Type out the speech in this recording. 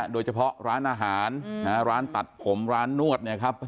โดยเฉพาะร้านอาหารร้านตัดผมร้านนวด